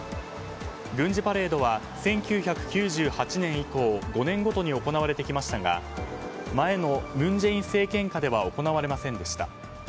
軍事パレードは１９９８年以降５年ごとに行われてきましたが前の文在寅政権下では行われませんでした。